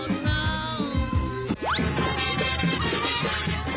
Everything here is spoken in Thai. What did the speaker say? น้าว